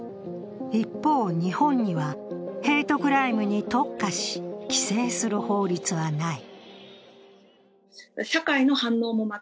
一方、日本にはヘイトクライムに特化し、規制する法律はない。